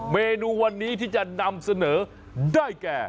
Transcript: เมนูวันนี้ที่จะนำเสนอได้แก่